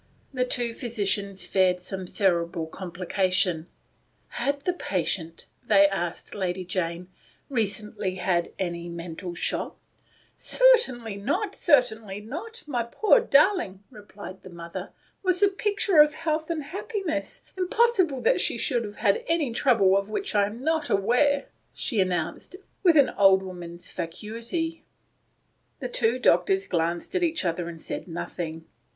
The two physicians feared some cerebral compKcations *" Had the patient," they asked Lady Jane, " recently had any mental shock ?"" Certainly not, certainly not My poor darling," replied the mother, " was the picture of health and happiness. Impossible that she should have had any trouble of which I am not aware," she announced, with all an old woman's fatuity. The two doctors glanced at each other and said nothing.